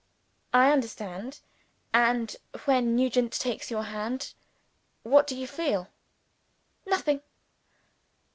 "I understand. And when Nugent takes your hand, what do you feel?" "Nothing!"